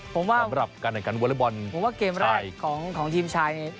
ผมว่าเกมแรกของทีมชาย